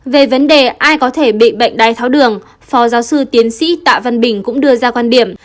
về vấn đề ai có thể bị bệnh đai tháo đường phó giáo sư tiến sĩ tạ văn bình cũng đưa ra quan điểm